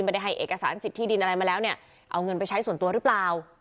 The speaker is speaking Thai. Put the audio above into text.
ให้เอกสารสิทธิดินอะไรมาแล้วเนี่ยเอาเงินไปใช้ส่วนตัวหรือเปล่า